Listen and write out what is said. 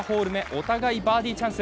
お互いバーディーチャンス